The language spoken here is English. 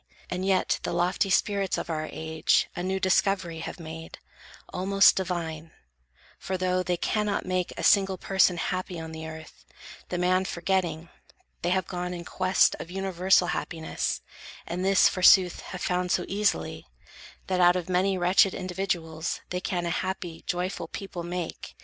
And yet the lofty spirits of our age A new discovery have made, almost Divine; for, though they cannot make A single person happy on the earth, The man forgetting, they have gone in quest Of universal happiness, and this, Forsooth, have found so easily, that out Of many wretched individuals, They can a happy, joyful people make.